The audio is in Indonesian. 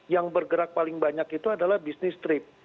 yang bergerak paling banyak itu adalah bisnis trip